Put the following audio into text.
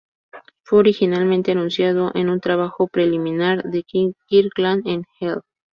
Fue originalmente anunciado en un trabajo preliminar de Kirkland et al.